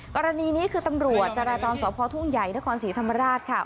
กรณีนี้คือตำรวจจราจรสพทุ่งใหญ่นครศรีธรรมราชค่ะ